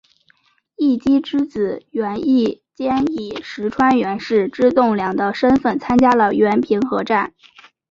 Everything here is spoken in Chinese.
义基之子源义兼以石川源氏之栋梁的身份参加了源平合战。